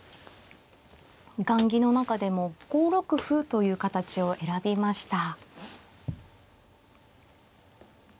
雁木の中でも５六歩という形を選びました。